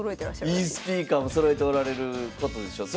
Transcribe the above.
いいスピーカーもそろえておられることでしょう。